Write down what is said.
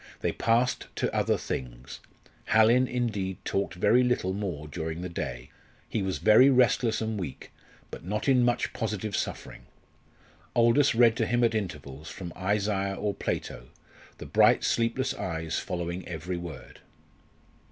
They passed to other things. Hallin, indeed, talked very little more during the day. He was very restless and weak, but not in much positive suffering. Aldous read to him at intervals, from Isaiah or Plato, the bright sleepless eyes following every word.